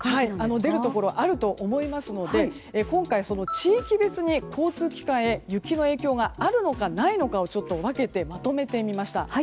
出るところがあると思いますので今回、地域別に交通機関に雪の影響があるのかないのかを分けてまとめてみました。